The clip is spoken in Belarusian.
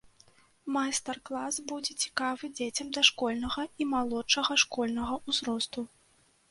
Майстар-клас будзе цікавы дзецям дашкольнага і малодшага школьнага ўзросту.